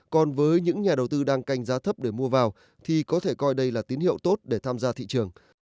còn với những nhà đầu tư đang canh giá thấp để mua vào thì có thể coi đây là tín hiệu tốt để tham gia thị trường